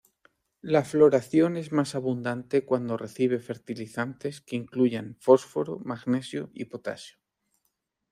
La floración es más abundante cuando recibe fertilizantes que incluyan fósforo, magnesio y potasio.